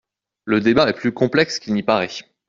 Le débat est plus complexe qu’il n’y paraît.